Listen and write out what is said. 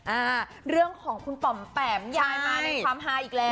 อ่าเรื่องของคุณปอมแปมยายมาในความฮาอีกแล้ว